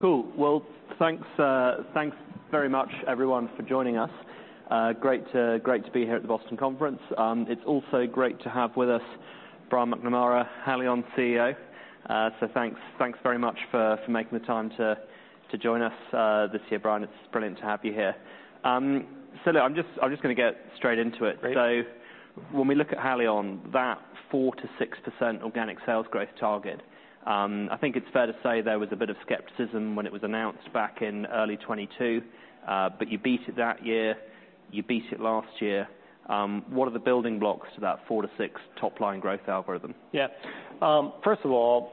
Cool. Thanks very much everyone for joining us. Great to be here at the Boston Conference. It's also great to have with us Brian McNamara, Haleon CEO. So thanks very much for making the time to join us this year, Brian. It's brilliant to have you here. So look, I'm just gonna get straight into it. Great. When we look at Haleon, that 4-6% organic sales growth target, I think it's fair to say there was a bit of skepticism when it was announced back in early 2022, but you beat it that year, you beat it last year. What are the building blocks to that 4-6% top line growth algorithm? Yeah. First of all,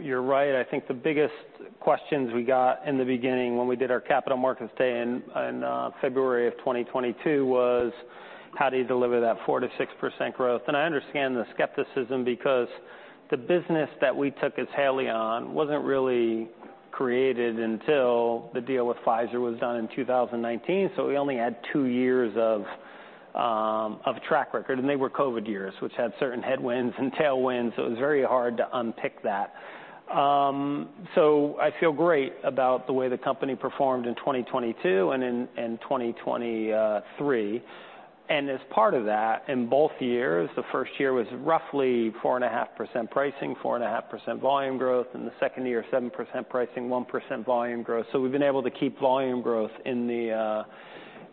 you're right. I think the biggest questions we got in the beginning when we did our Capital Markets Day in February of 2022 was how do you deliver that 4%-6% growth? And I understand the skepticism because the business that we took as Haleon wasn't really created until the deal with Pfizer was done in 2019, so we only had two years of track record, and they were COVID years, which had certain headwinds and tailwinds, so it was very hard to unpick that. So I feel great about the way the company performed in 2022 and in 2023. As part of that, in both years, the first year was roughly 4.5% pricing, 4.5% volume growth, and the second year, 7% pricing, 1% volume growth. We've been able to keep volume growth in the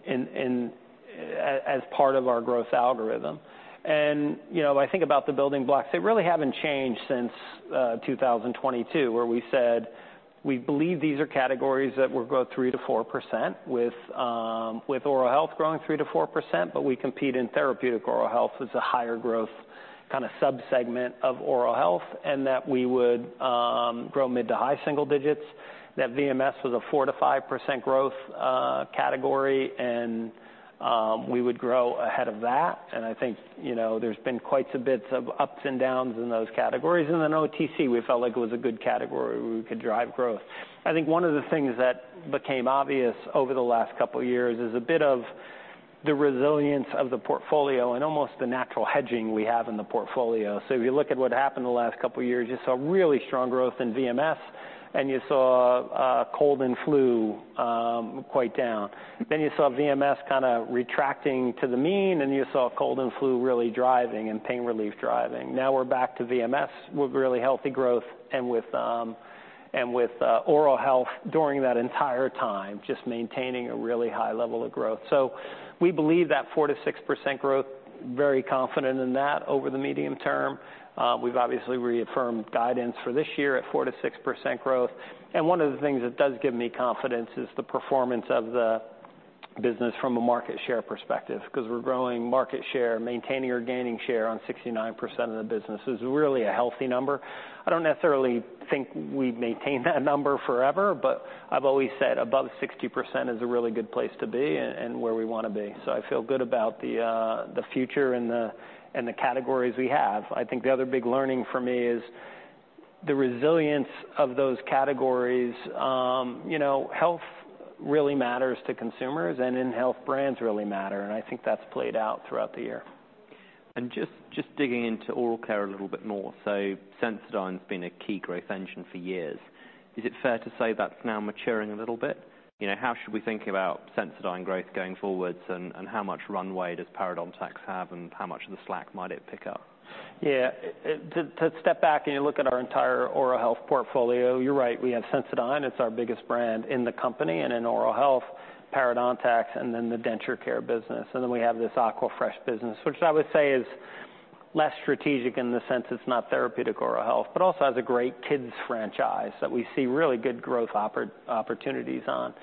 as part of our growth algorithm. You know, when I think about the building blocks, they really haven't changed since 2022, where we said we believe these are categories that will grow 3%-4% with oral health growing 3%-4%, but we compete in therapeutic oral health as a higher growth kind of subsegment of oral health, and that we would grow mid to high single digits. That VMS was a 4%-5% growth category, and we would grow ahead of that. And I think, you know, there's been quite a bit of ups and downs in those categories. And then OTC, we felt like it was a good category where we could drive growth. I think one of the things that became obvious over the last couple years is a bit of the resilience of the portfolio and almost the natural hedging we have in the portfolio. So if you look at what happened the last couple years, you saw really strong growth in VMS, and you saw cold and flu quite down. Then you saw VMS kind of retracting to the mean, and you saw cold and flu really driving and pain relief driving. Now we're back to VMS with really healthy growth and with oral health during that entire time, just maintaining a really high level of growth. So we believe that 4-6% growth, very confident in that over the medium term. We've obviously reaffirmed guidance for this year at 4-6% growth. And one of the things that does give me confidence is the performance of the business from a market share perspective, 'cause we're growing market share, maintaining or gaining share on 69% of the business. This is really a healthy number. I don't necessarily think we'd maintain that number forever, but I've always said above 60% is a really good place to be and where we wanna be. So I feel good about the future and the categories we have. I think the other big learning for me is the resilience of those categories. You know, health really matters to consumers, and in health, brands really matter, and I think that's played out throughout the year. Just digging into oral care a little bit more, so Sensodyne's been a key growth engine for years. Is it fair to say that's now maturing a little bit? You know, how should we think about Sensodyne growth going forwards, and how much runway does Parodontax have, and how much of the slack might it pick up? Yeah. To step back and you look at our entire oral health portfolio, you're right, we have Sensodyne. It's our biggest brand in the company and in oral health, Parodontax, and then the denture care business. And then we have this Aquafresh business, which I would say is less strategic in the sense it's not therapeutic oral health, but also has a great kids' franchise that we see really good growth opportunities on.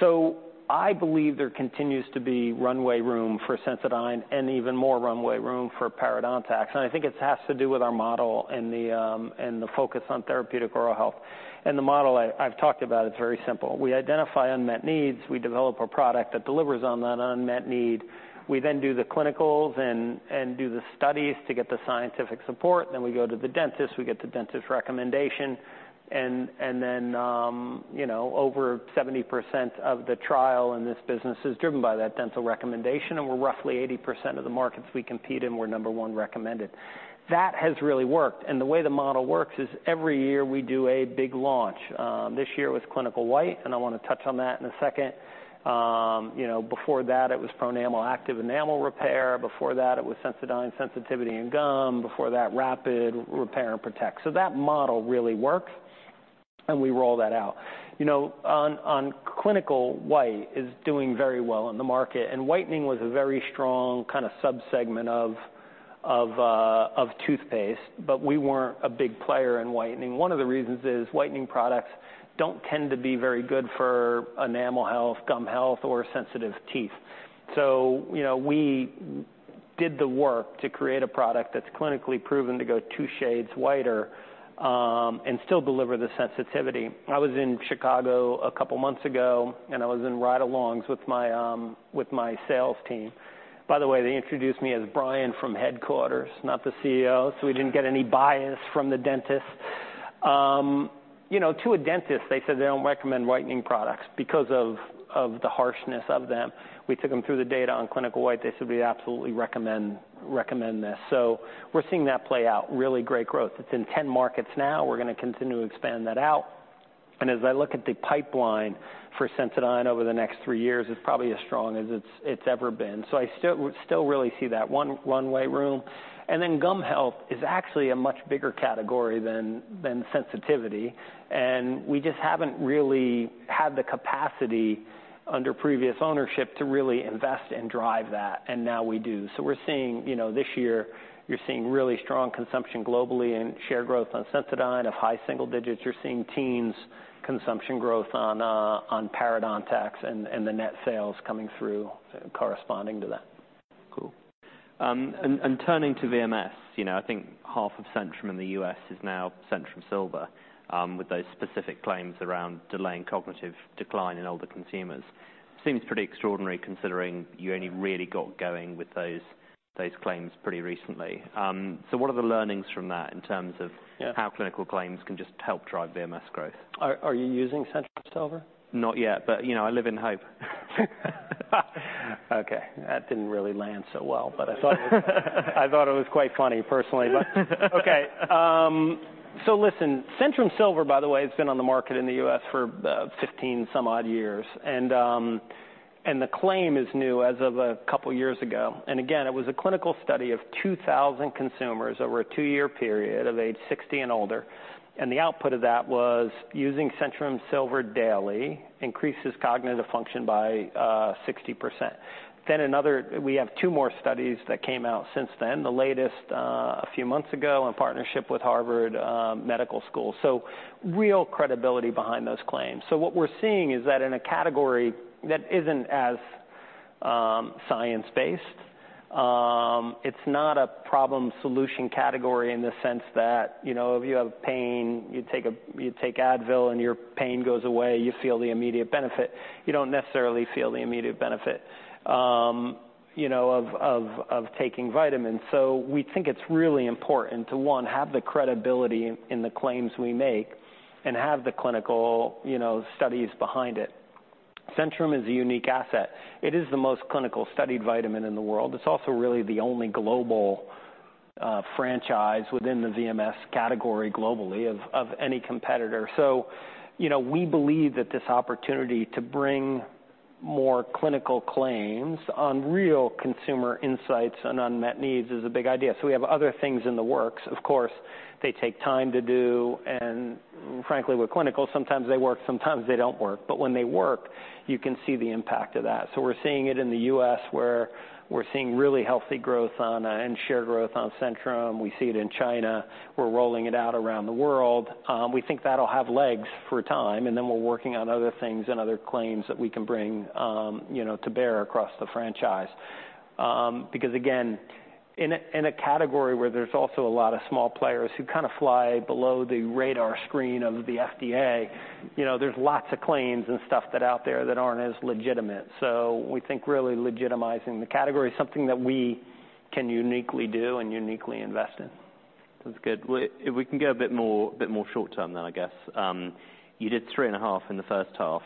So I believe there continues to be runway room for Sensodyne and even more runway room for Parodontax, and I think it has to do with our model and the focus on therapeutic oral health. And the model I've talked about, it's very simple. We identify unmet needs. We develop a product that delivers on that unmet need. We then do the clinicals and do the studies to get the scientific support, then we go to the dentist, we get the dentist's recommendation, and then, you know, over 70% of the trial in this business is driven by that dental recommendation, and we're roughly 80% of the markets we compete in, we're number one recommended. That has really worked, and the way the model works is every year we do a big launch. This year it was Clinical White, and I wanna touch on that in a second. You know, before that, it was Pronamel Active Enamel Repair. Before that, it was Sensodyne Sensitivity & Gum. Before that, Repair & Protect. So that model really works, and we roll that out. You know, Clinical White is doing very well in the market, and whitening was a very strong kind of subsegment of toothpaste, but we weren't a big player in whitening. One of the reasons is whitening products don't tend to be very good for enamel health, gum health, or sensitive teeth. So, you know, we did the work to create a product that's clinically proven to go two shades whiter, and still deliver the sensitivity. I was in Chicago a couple months ago, and I was in ride-alongs with my sales team. By the way, they introduced me as Brian from headquarters, not the CEO, so we didn't get any bias from the dentist. You know, to a dentist, they said they don't recommend whitening products because of the harshness of them. We took them through the data on Clinical White. They said, "We absolutely recommend, recommend this." So we're seeing that play out, really great growth. It's in 10 markets now. We're gonna continue to expand that out. And as I look at the pipeline for Sensodyne over the next three years, it's probably as strong as it's ever been. So I still really see that one runway room. And then gum health is actually a much bigger category than sensitivity, and we just haven't really had the capacity under previous ownership to really invest and drive that, and now we do. So we're seeing, you know, this year, you're seeing really strong consumption globally and share growth on Sensodyne of high single digits. You're seeing teens consumption growth on Parodontax and the net sales coming through corresponding to that. Cool. And turning to VMS, you know, I think half of Centrum in the U.S. is now Centrum Silver, with those specific claims around delaying cognitive decline in older consumers. Seems pretty extraordinary, considering you only really got going with those claims pretty recently. So what are the learnings from that in terms of- Yeah... how clinical claims can just help drive VMS growth? Are you using Centrum Silver? Not yet, but, you know, I live in hope. Okay, that didn't really land so well, but I thought it was quite funny, personally, but. Okay, so listen, Centrum Silver, by the way, has been on the market in the U.S. for fifteen some odd years, and the claim is new as of a couple years ago. And again, it was a clinical study of 2,000 consumers over a two-year period, of age 60 and older, and the output of that was using Centrum Silver daily increases cognitive function by 60%. Then another. We have two more studies that came out since then, the latest a few months ago, in partnership with Harvard Medical School, so real credibility behind those claims. So what we're seeing is that in a category that isn't as science-based, it's not a problem-solution category in the sense that, you know, if you have pain, you take Advil, and your pain goes away, you feel the immediate benefit. You don't necessarily feel the immediate benefit, you know, of taking vitamins. So we think it's really important to, one, have the credibility in the claims we make and have the clinical, you know, studies behind it. Centrum is a unique asset. It is the most clinical studied vitamin in the world. It's also really the only global franchise within the VMS category globally of any competitor. So, you know, we believe that this opportunity to bring more clinical claims on real consumer insights and unmet needs is a big idea. So we have other things in the works. Of course, they take time to do, and frankly, with clinical, sometimes they work, sometimes they don't work, but when they work, you can see the impact of that. So we're seeing it in the U.S., where we're seeing really healthy growth on, and share growth on Centrum. We see it in China. We're rolling it out around the world. We think that'll have legs for a time, and then we're working on other things and other claims that we can bring, you know, to bear across the franchise. Because, again, in a category where there's also a lot of small players who kind of fly below the radar screen of the FDA, you know, there's lots of claims and stuff that are out there that aren't as legitimate. So we think really legitimizing the category is something that we can uniquely do and uniquely invest in. That's good. Well, if we can go a bit more, bit more short term then, I guess. You did three and a half in the first half,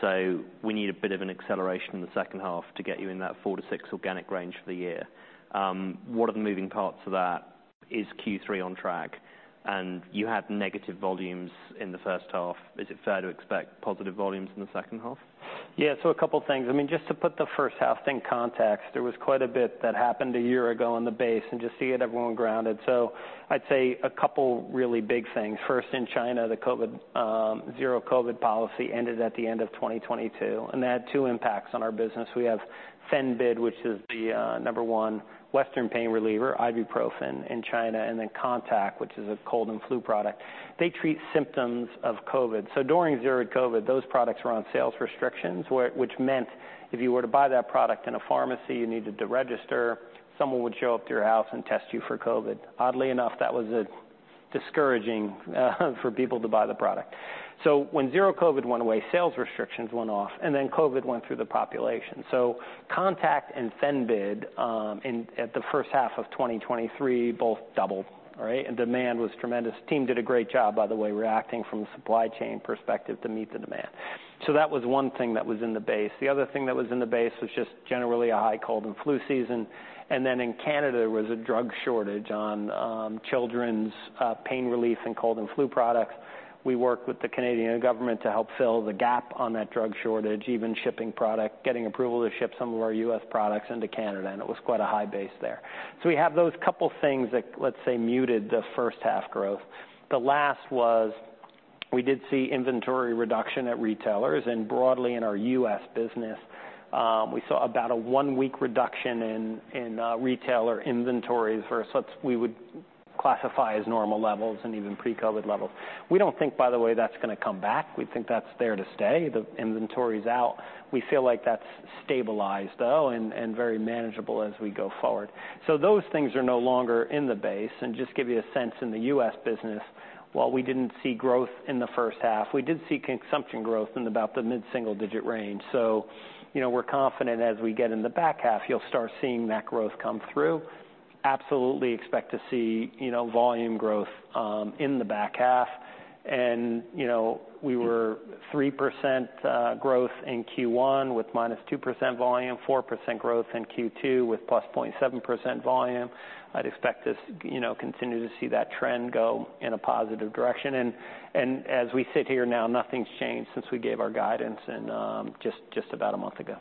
so we need a bit of an acceleration in the second half to get you in that four to six organic range for the year. What are the moving parts of that? Is Q3 on track? And you had negative volumes in the first half. Is it fair to expect positive volumes in the second half? Yeah, so a couple things. I mean, just to put the first half in context, there was quite a bit that happened a year ago on the base and just to get everyone grounded. So I'd say a couple really big things. First, in China, the COVID Zero COVID policy ended at the end of twenty twenty-two, and that had two impacts on our business. We have Fenbid, which is the number one Western pain reliever, ibuprofen, in China, and then Contac, which is a cold and flu product. They treat symptoms of COVID. So during Zero COVID, those products were on sales restrictions, which meant if you were to buy that product in a pharmacy, you needed to register. Someone would show up to your house and test you for COVID. Oddly enough, that was discouraging for people to buy the product. So when Zero COVID went away, sales restrictions went off, and then COVID went through the population. So Contac and Fenbid, at the first half of 2023, both doubled, all right? And demand was tremendous. Team did a great job, by the way, reacting from a supply chain perspective to meet the demand. So that was one thing that was in the base. The other thing that was in the base was just generally a high cold and flu season. And then in Canada, there was a drug shortage on, children's, pain relief and cold and flu products. We worked with the Canadian government to help fill the gap on that drug shortage, even shipping product, getting approval to ship some of our U.S. products into Canada, and it was quite a high base there. So we have those couple things that, let's say, muted the first half growth. The last was we did see inventory reduction at retailers, and broadly in our U.S. business, we saw about a one-week reduction in retailer inventories versus what we would classify as normal levels and even pre-COVID levels. We don't think, by the way, that's gonna come back. We think that's there to stay. The inventory's out. We feel like that's stabilized, though, and very manageable as we go forward. So those things are no longer in the base. And just to give you a sense in the U.S. business, while we didn't see growth in the first half, we did see consumption growth in about the mid-single-digit range. So you know, we're confident as we get in the back half, you'll start seeing that growth come through. Absolutely expect to see, you know, volume growth in the back half. And, you know, we were 3% growth in Q1, with -2% volume, 4% growth in Q2, with plus 0.7% volume. I'd expect this, you know, continue to see that trend go in a positive direction. And as we sit here now, nothing's changed since we gave our guidance in just about a month ago....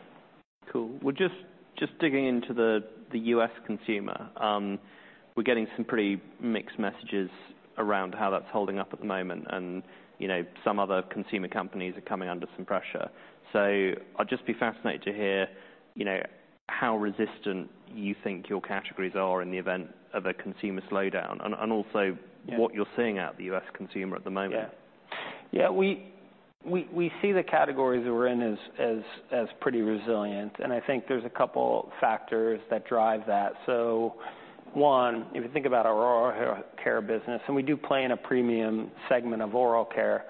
Cool. Well, just digging into the U.S. consumer, we're getting some pretty mixed messages around how that's holding up at the moment, and, you know, some other consumer companies are coming under some pressure. So I'd just be fascinated to hear, you know, how resistant you think your categories are in the event of a consumer slowdown, and also- Yeah -what you're seeing out of the U.S. consumer at the moment. Yeah. Yeah, we see the categories that we're in as pretty resilient, and I think there's a couple factors that drive that. So one, if you think about our oral care business, and we do play in a premium segment of oral care,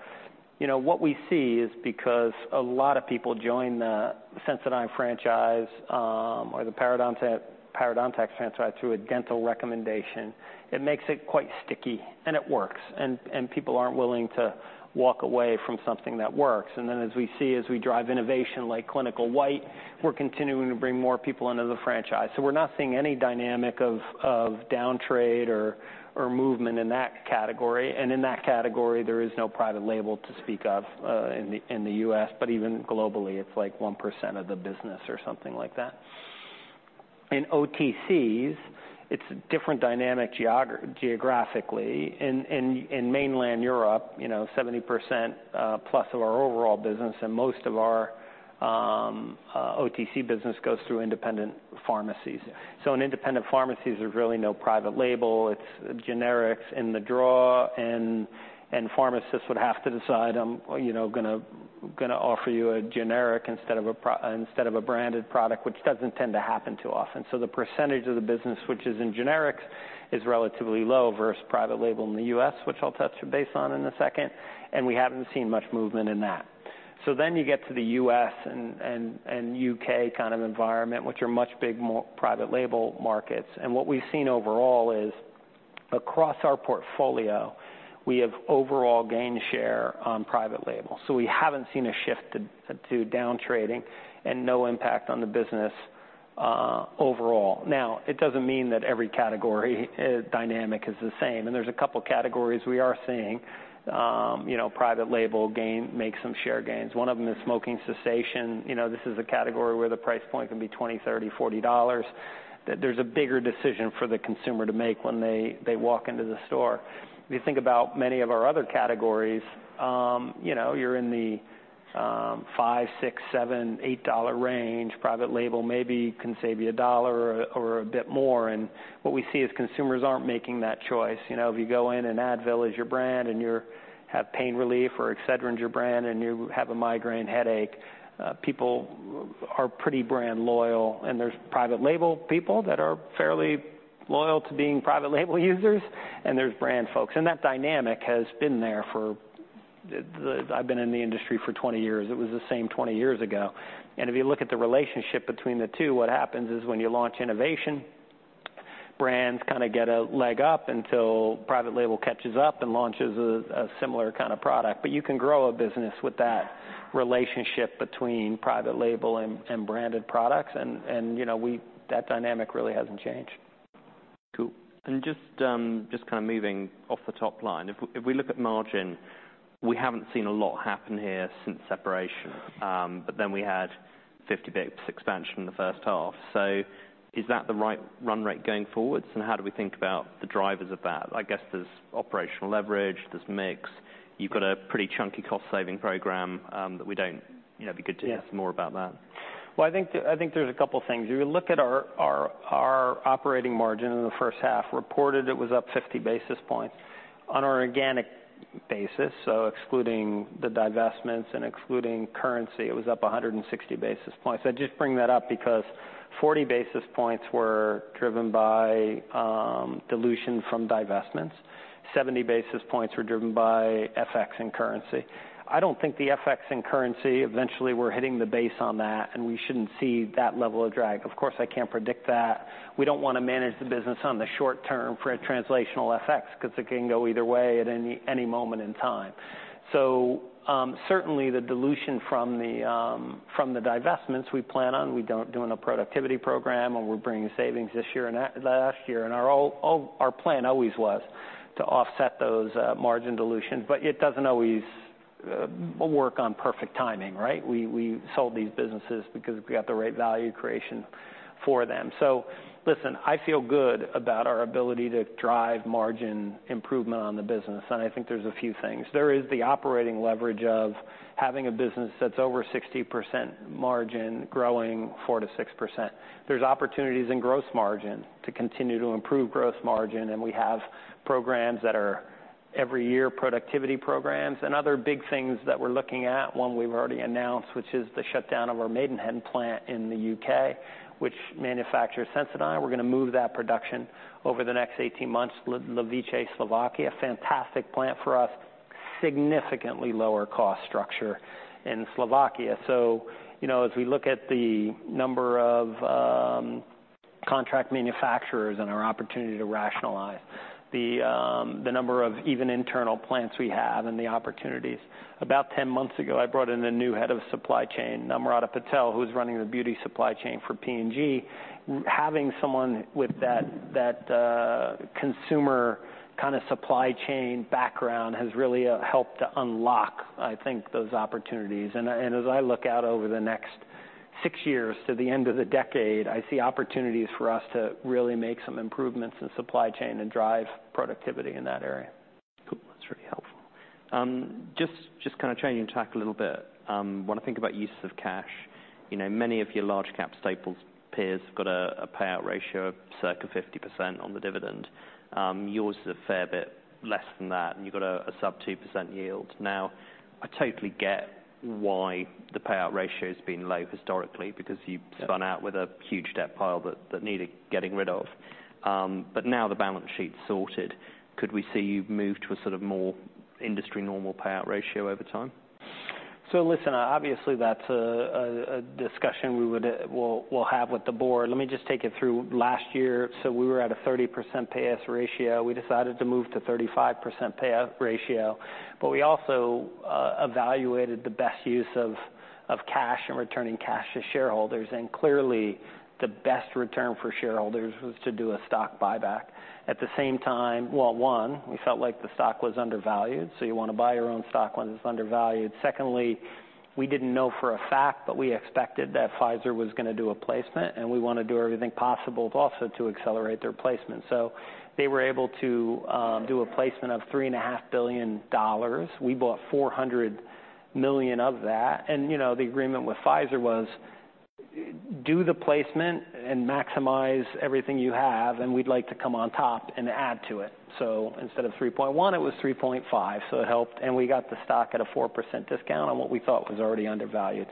you know, what we see is because a lot of people join the Sensodyne franchise, or the Parodontax franchise through a dental recommendation, it makes it quite sticky, and it works, and people aren't willing to walk away from something that works. And then as we drive innovation like Clinical White, we're continuing to bring more people into the franchise. So we're not seeing any dynamic of downtrade or movement in that category. In that category, there is no private label to speak of in the U.S., but even globally, it's like 1% of the business or something like that. In OTCs, it's a different dynamic geographically. In mainland Europe, you know, 70% plus of our overall business and most of our OTC business goes through independent pharmacies. So in independent pharmacies, there's really no private label. It's generics in the drawer, and pharmacists would have to decide, I'm, you know, gonna offer you a generic instead of a branded product, which doesn't tend to happen too often. So the percentage of the business, which is in generics, is relatively low versus private label in the U.S., which I'll touch base on in a second, and we haven't seen much movement in that. Then you get to the U.S. and U.K. kind of environment, which are much bigger private label markets. What we've seen overall is, across our portfolio, we have overall gained share on private label. We haven't seen a shift to downtrading and no impact on the business, overall. Now, it doesn't mean that every category dynamic is the same, and there's a couple categories we are seeing, you know, private label gaining making some share gains. One of them is smoking cessation. You know, this is a category where the price point can be $20, $30, $40, that there's a bigger decision for the consumer to make when they walk into the store. If you think about many of our other categories, you know, you're in the five, six, seven, eight dollar range, private label maybe can save you a dollar or a bit more, and what we see is consumers aren't making that choice. You know, if you go in and Advil is your brand, and you have pain relief, or Excedrin's your brand, and you have a migraine headache, people are pretty brand loyal. And there's private label people that are fairly loyal to being private label users, and there's brand folks. That dynamic has been there for the. I've been in the industry for twenty years. It was the same twenty years ago. And if you look at the relationship between the two, what happens is when you launch innovation, brands kind of get a leg up until private label catches up and launches a similar kind of product. But you can grow a business with that relationship between private label and branded products, and you know that dynamic really hasn't changed. Cool. And just kind of moving off the top line. If we look at margin, we haven't seen a lot happen here since separation. But then we had 50 basis points expansion in the first half. So is that the right run rate going forwards? And how do we think about the drivers of that? I guess there's operational leverage, there's mix. You've got a pretty chunky cost-saving program that we don't, you know, be good to hear- Yeah... more about that. I think there's a couple things. If you look at our operating margin in the first half, reported it was up fifty basis points on our organic basis, so excluding the divestments and excluding currency, it was up one hundred and sixty basis points. I just bring that up because forty basis points were driven by dilution from divestments. Seventy basis points were driven by FX and currency. I don't think the FX and currency, eventually we're hitting the base on that, and we shouldn't see that level of drag. Of course, I can't predict that. We don't wanna manage the business on the short term for a translational FX, because it can go either way at any moment in time. So, certainly, the dilution from the from the divestments we plan on, we don't... Doing a productivity program, and we're bringing savings this year and last year. And our plan always was to offset those margin dilutions, but it doesn't always work on perfect timing, right? We sold these businesses because we got the right value creation for them. So listen, I feel good about our ability to drive margin improvement on the business, and I think there's a few things. There is the operating leverage of having a business that's over 60% margin, growing 4-6%. There's opportunities in gross margin to continue to improve gross margin, and we have programs that are every year, productivity programs and other big things that we're looking at. One we've already announced, which is the shutdown of our Maidenhead plant in the U.K., which manufactures Sensodyne. We're gonna move that production over the next 18 months, Levice, Slovakia. Fantastic plant for us, significantly lower cost structure in Slovakia. So, you know, as we look at the number of contract manufacturers and our opportunity to rationalize the number of even internal plants we have and the opportunities. About 10 months ago, I brought in a new head of supply chain, Namrata Patel, who's running the beauty supply chain for P&G. Having someone with that consumer kind of supply chain background has really helped to unlock, I think, those opportunities. And as I look out over the next 6 years to the end of the decade, I see opportunities for us to really make some improvements in supply chain and drive productivity in that area. Cool, that's really helpful. Just kind of changing tack a little bit, when I think about uses of cash, you know, many of your large cap staples peers have got a payout ratio of circa 50% on the dividend. Yours is a fair bit less than that, and you've got a sub 2% yield. Now, I totally get why the payout ratio's been low historically, because you- Yeah spun out with a huge debt pile that needed getting rid of. But now the balance sheet's sorted, could we see you move to a sort of more industry normal payout ratio over time? So listen, obviously, that's a discussion we would, we'll have with the board. Let me just take it through. Last year, so we were at a 30% payout ratio. We decided to move to 35% payout ratio, but we also evaluated the best use of cash and returning cash to shareholders, and clearly, the best return for shareholders was to do a stock buyback. At the same time, well, one, we felt like the stock was undervalued, so you wanna buy your own stock when it's undervalued. Secondly, we didn't know for a fact, but we expected that Pfizer was gonna do a placement, and we wanna do everything possible to also to accelerate their placement so they were able to do a placement of $3.5 billion. We bought $400 million of that, and, you know, the agreement with Pfizer was, do the placement and maximize everything you have, and we'd like to come on top and add to it. So instead of 3.1, it was 3.5, so it helped, and we got the stock at a 4% discount on what we thought was already undervalued.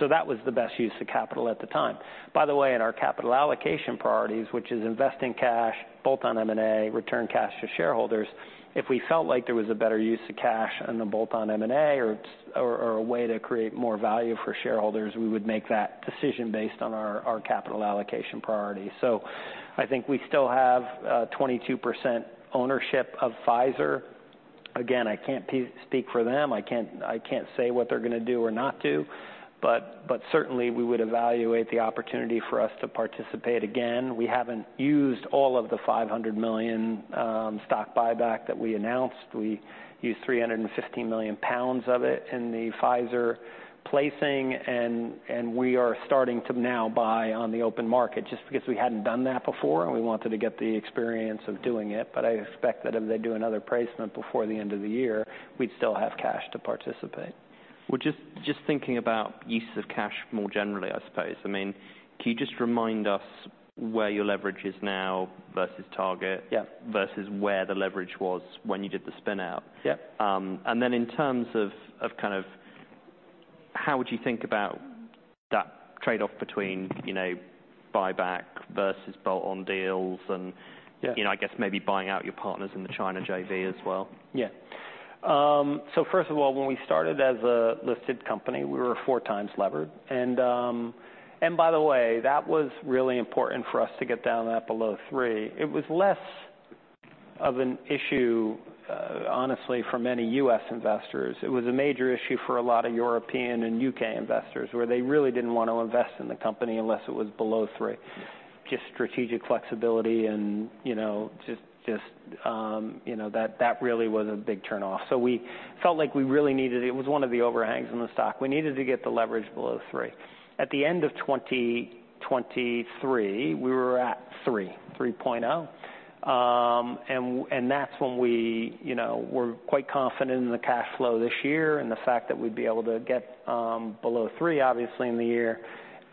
So that was the best use of capital at the time. By the way, in our capital allocation priorities, which is investing cash, both on M&A, return cash to shareholders, if we felt like there was a better use of cash on the bolt-on M&A or a way to create more value for shareholders, we would make that decision based on our capital allocation priority. So I think we still have 22% ownership of Pfizer. Again, I can't speak for them. I can't say what they're gonna do or not do, but certainly, we would evaluate the opportunity for us to participate again. We haven't used all of the 500 million stock buyback that we announced. We used 350 million pounds of it in the Pfizer placing, and we are starting to now buy on the open market, just because we hadn't done that before, and we wanted to get the experience of doing it. But I expect that if they do another placement before the end of the year, we'd still have cash to participate. Well, just thinking about use of cash more generally, I suppose, I mean, can you just remind us where your leverage is now versus target? Yeah... versus where the leverage was when you did the spin out? Yeah. And then in terms of kind of how would you think about that trade-off between, you know, buyback versus bolt-on deals and- Yeah... you know, I guess maybe buying out your partners in the China JV as well? Yeah. So first of all, when we started as a listed company, we were four times levered, and by the way, that was really important for us to get that down below three. It was less of an issue, honestly, for many U.S. investors. It was a major issue for a lot of European and U.K. investors, where they really didn't want to invest in the company unless it was below three. Just strategic flexibility and, you know, just, you know, that really was a big turn off. So we felt like we really needed it. It was one of the overhangs in the stock. We needed to get the leverage below three. At the end of 2023, we were at 3.0. And that's when we, you know, we're quite confident in the cash flow this year and the fact that we'd be able to get below 3, obviously, in the year,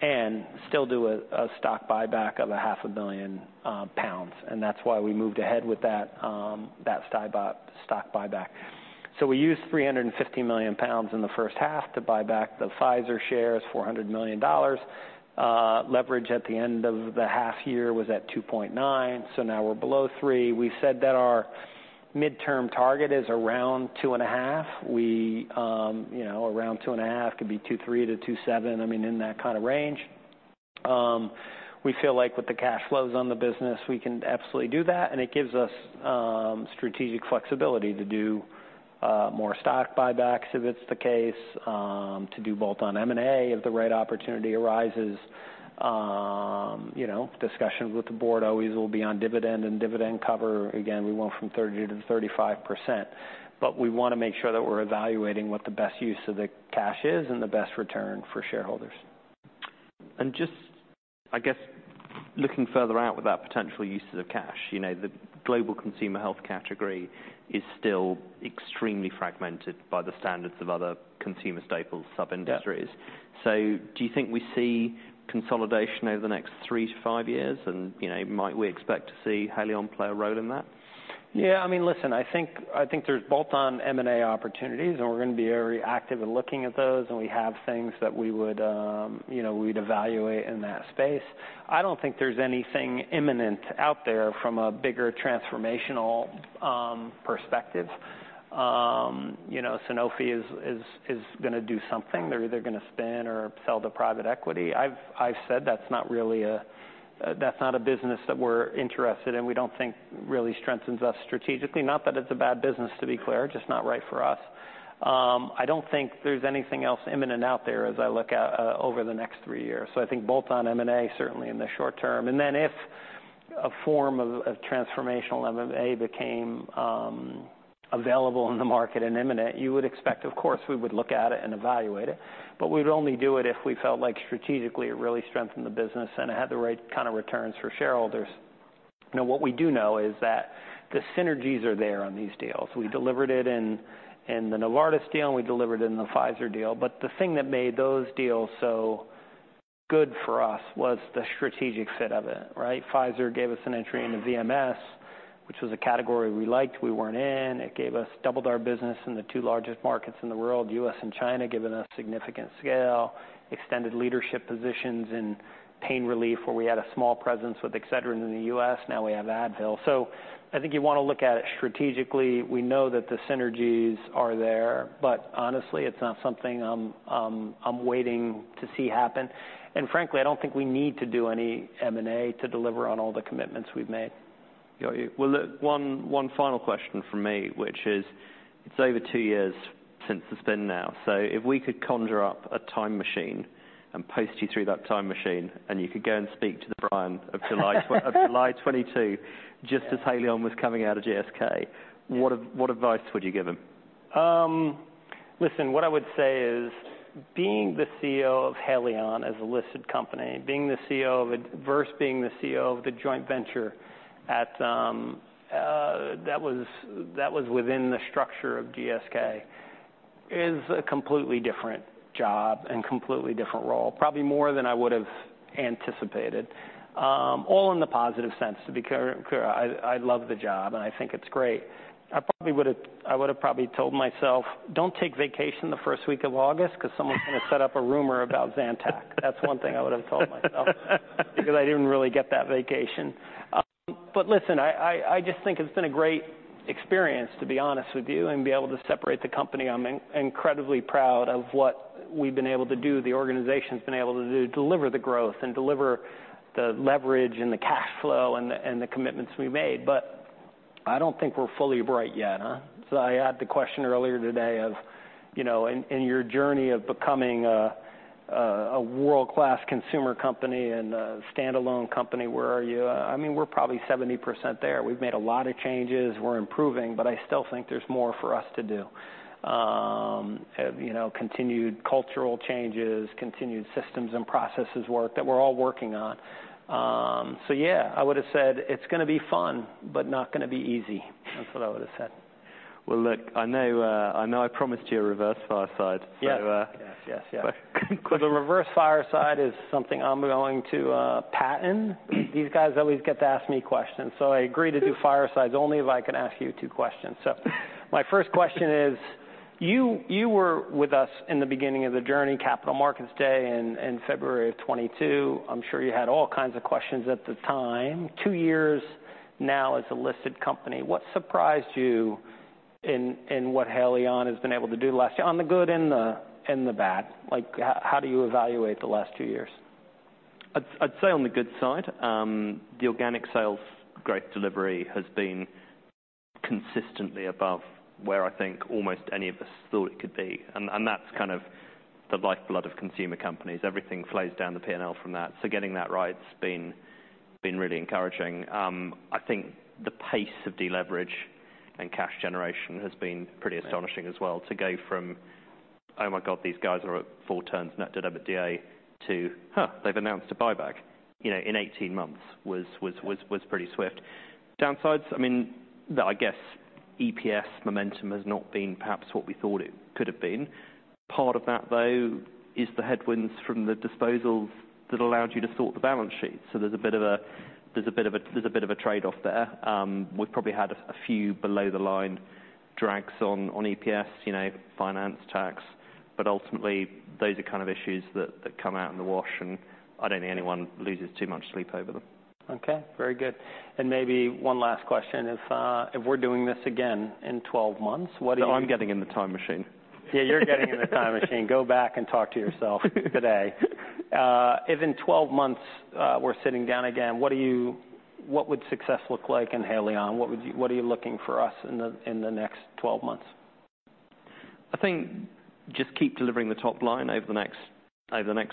and still do a stock buyback of £500 million, and that's why we moved ahead with that stock buyback. So we used £350 million in the first half to buy back the Pfizer shares, $400 million. Leverage at the end of the half year was at 2.9, so now we're below 3. We said that our midterm target is around 2.5. We, you know, around 2.5, could be 2.3-2.7, I mean, in that kind of range. We feel like with the cash flows on the business, we can absolutely do that, and it gives us strategic flexibility to do more stock buybacks, if it's the case, to do bolt-on M&A, if the right opportunity arises. You know, discussions with the board always will be on dividend and dividend cover. Again, we went from 30% to 35%, but we wanna make sure that we're evaluating what the best use of the cash is and the best return for shareholders. Just, I guess, looking further out with that potential uses of cash, you know, the global consumer health category is still extremely fragmented by the standards of other consumer staples sub-industries. Yeah. So do you think we see consolidation over the next three to five years? And, you know, might we expect to see Haleon play a role in that? Yeah, I mean, listen, I think there's Bolt-on M&A opportunities, and we're gonna be very active in looking at those, and we have things that we would, you know, we'd evaluate in that space. I don't think there's anything imminent out there from a bigger transformational perspective. You know, Sanofi is gonna do something. They're either gonna spin or sell to private equity. I've said that's not really a business that we're interested in. We don't think really strengthens us strategically, not that it's a bad business, to be clear, just not right for us. I don't think there's anything else imminent out there as I look out over the next three years. So I think Bolt-on M&A, certainly in the short term, and then if-... A form of transformational M&A became available in the market and imminent. You would expect, of course, we would look at it and evaluate it. But we'd only do it if we felt like strategically it really strengthened the business, and it had the right kind of returns for shareholders. Now, what we do know is that the synergies are there on these deals. We delivered it in the Novartis deal, and we delivered it in the Pfizer deal. But the thing that made those deals so good for us was the strategic fit of it, right? Pfizer gave us an entry into VMS, which was a category we liked, we weren't in. It doubled our business in the two largest markets in the world, US and China, giving us significant scale, extended leadership positions in pain relief, where we had a small presence with Excedrin in the US. Now we have Advil, so I think you wanna look at it strategically. We know that the synergies are there, but honestly, it's not something I'm waiting to see happen, and frankly, I don't think we need to do any M&A to deliver on all the commitments we've made. Got you. Well, look, one final question from me, which is, it's over two years since the spin now. So if we could conjure up a time machine and post you through that time machine, and you could go and speak to the Brian of July 2022, just as Haleon was coming out of GSK, what advice would you give him? Listen, what I would say is, being the CEO of Haleon as a listed company, being the CEO of it, versus being the CEO of the joint venture that was within the structure of GSK, is a completely different job and completely different role, probably more than I would've anticipated. All in the positive sense, to be clear. I love the job, and I think it's great. I would've probably told myself, "Don't take vacation the first week of August because someone's gonna set up a rumor about Zantac." That's one thing I would've told myself. Because I didn't really get that vacation. But listen, I just think it's been a great experience, to be honest with you, and be able to separate the company. I'm incredibly proud of what we've been able to do, the organization's been able to do, deliver the growth and deliver the leverage and the cash flow and the commitments we made. But I don't think we're fully bright yet, huh? So I had the question earlier today of, you know, in your journey of becoming a world-class consumer company and a standalone company, where are you? I mean, we're probably 70% there. We've made a lot of changes. We're improving, but I still think there's more for us to do. You know, continued cultural changes, continued systems and processes work that we're all working on. So yeah, I would've said, "It's gonna be fun, but not gonna be easy." That's what I would've said. Well, look, I know I promised you a reverse fireside. Yeah. So, uh- Yes, yes, yeah. Well, the reverse fireside is something I'm going to patent. These guys always get to ask me questions, so I agree to do firesides only if I can ask you two questions. So my first question is: You were with us in the beginning of the journey, Capital Markets Day in February of 2022. I'm sure you had all kinds of questions at the time. Two years now as a listed company, what surprised you in what Haleon has been able to do last year, on the good and the bad? Like, how do you evaluate the last two years? I'd say on the good side, the organic sales growth delivery has been consistently above where I think almost any of us thought it could be. And that's kind of the lifeblood of consumer companies. Everything flows down the P&L from that, so getting that right's been really encouraging. I think the pace of deleverage and cash generation has been pretty astonishing as well. Yeah. To go from, "Oh, my God, these guys are at full terms, net debt to EBITDA," to, "Huh, they've announced a buyback," you know, in eighteen months was pretty swift. Downsides? I mean, the, I guess, EPS momentum has not been perhaps what we thought it could've been. Part of that, though, is the headwinds from the disposals that allowed you to sort the balance sheet, so there's a bit of a trade-off there. We've probably had a few below-the-line drags on EPS, you know, finance, tax, but ultimately, those are kind of issues that come out in the wash, and I don't think anyone loses too much sleep over them. Okay, very good. And maybe one last question. If, if we're doing this again in twelve months, what are you- Oh, I'm getting in the time machine. Yeah, you're getting in the time machine. Go back and talk to yourself today. If in 12 months, we're sitting down again, what are you... What would success look like in Haleon? What would you- what are you looking for us in the next 12 months? I think just keep delivering the top line over the next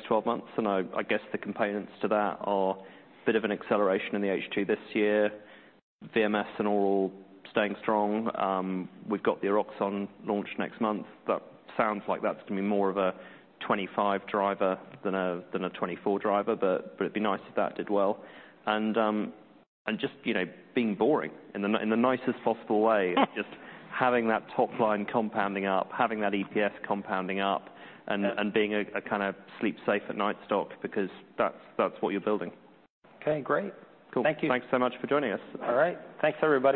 twelve months. I guess the components to that are a bit of an acceleration in the H2 this year, VMS and all staying strong. We've got the Eroxon launch next month. That sounds like that's gonna be more of a 2025 driver than a 2024 driver, but it'd be nice if that did well. And just, you know, being boring, in the nicest possible way. Just having that top line compounding up, having that EPS compounding up, and being a kind of sleep-safe-at-night stock, because that's what you're building. Okay, great. Cool. Thank you. Thanks so much for joining us. All right. Thanks, everybody.